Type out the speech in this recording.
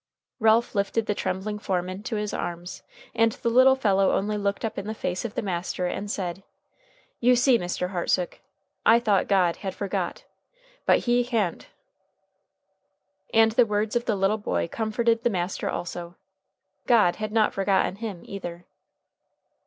Ralph lifted the trembling form into his arms, and the little fellow only looked up in the face of the master and said: "You see, Mr. Hartsook, I thought God had forgot. But he ha'n't." And the words of the little boy comforted the master also. God had not forgotten him, either!